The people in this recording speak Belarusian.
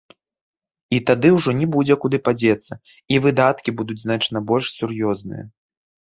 І тады ўжо не будзе куды падзецца, і выдаткі будуць значна больш сур'ёзныя.